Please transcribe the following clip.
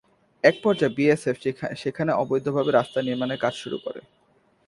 একপর্যায়ে বিএসএফ সেখানে অবৈধভাবে রাস্তা নির্মাণের কাজ শুরু করে।